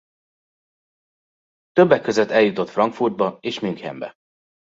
Többek között eljutott Frankfurtba és Münchenbe.